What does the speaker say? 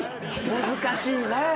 難しいな。